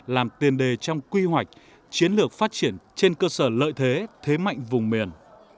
làm tiền đề trong quy hoạch chiến lược phát triển trên cơ sở lợi thế thế mạnh vùng miền